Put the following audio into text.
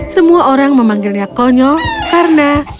semua orang memanggilnya konyol karena